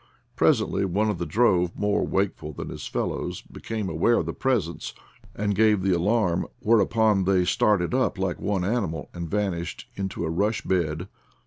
Pres ently one of the drove, more wakeful than his fellows, became aware of his presence and gave the alarm, whereupon they started up like one animal and vanished into a rush bed.